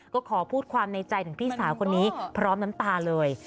ก็ขอพูดความในใจของพี่สาวคนนี้พร้อมน้ำตาเลย